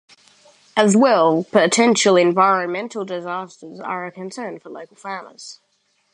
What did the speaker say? As well, potential environmental disasters are a concern for local farmers.